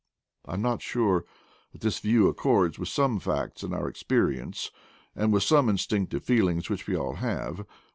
" I am not sure that this view accords with some facts in our experience, and with some instinctive feelings which we all have.